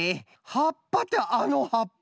はっぱってあのはっぱ？